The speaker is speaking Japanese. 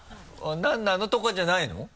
何なの？とかじゃないの？